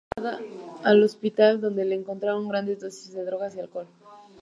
Fue llevada al hospital donde le encontraron grandes dosis de drogas y alcohol.